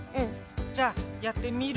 じゃあやってみるポタ。